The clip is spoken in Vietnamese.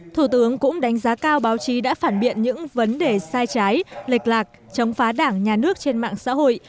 thủ tướng cũng đánh giá cao báo chí đã phản biện những vấn đề sai trái lệch lạc chống phá đảng nhà nước trên mạng xã hội